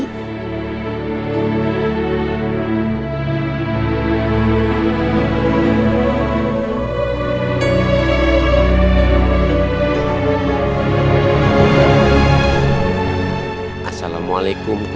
bapak harus selalu ada waktu buat febri